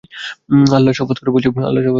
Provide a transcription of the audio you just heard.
আল্লাহর শপথ করে বলছি, তা হবে না।